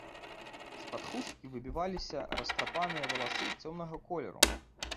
З-пад хусткі выбіваліся растрапаныя валасы цёмнага колеру.